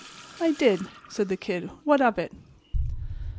"I did," said the Kid. "What of it?"